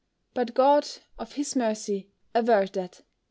But God, of his mercy, avert that!